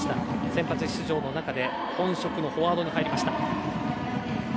先発出場の中で本職のフォワードに入りました。